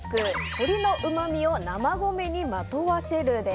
鶏のうまみを生米にまとわせるです。